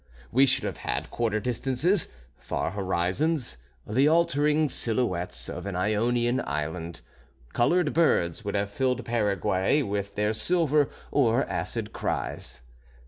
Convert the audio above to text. We should have had quarter distances, far horizons, the altering silhouettes of an Ionian island. Colored birds would have filled Paraguay with their silver or acid cries.